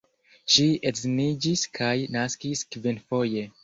Ŝi edziniĝis kaj naskis kvinfoje.